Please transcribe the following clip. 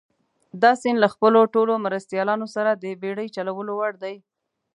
دا سیند له خپلو ټولو مرستیالانو سره د بېړۍ چلولو وړ دي.